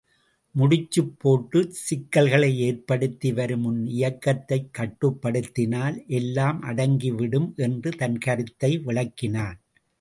முடிச்சுபோட்டுச் சிக்கல்களை ஏற்படுத்தி வரும் உன் இயக்கத்தைக் கட்டுப்படுத்தினால் எல்லாம் அடங்கி விடும் என்று தன் கருத்தை விளக்கினான்.